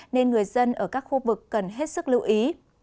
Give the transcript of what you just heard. nên người dân ở các khu vực cần hết sức lưu ý